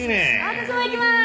私も行きます！